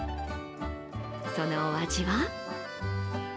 そのお味は？